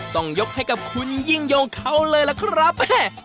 ต้องยกให้กับคุณยิ่งยงเขาเลยล่ะครับ